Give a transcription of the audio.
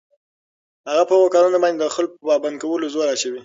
چې په هغو كارونو باندي دخلكوپه پابند كولو زور اچوي